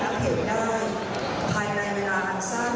สยาพรกรรมขอแสดงความเสียใจอย่างสูงซึ้ง